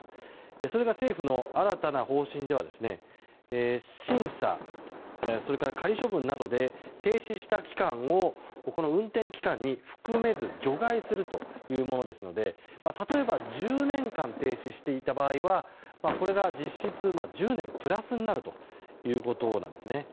それが、政府の新たな方針では審査それから仮処分などで停止した期間を運転期間に含めず除外するというものですので例えば１０年間停止していた場合はこれが実質１０年プラスになるということなんですね。